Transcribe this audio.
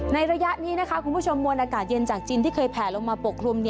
ระยะนี้นะคะคุณผู้ชมมวลอากาศเย็นจากจีนที่เคยแผลลงมาปกคลุม